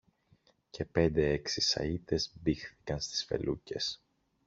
και πέντε-έξι σαίτες μπήχθηκαν στις φελούκες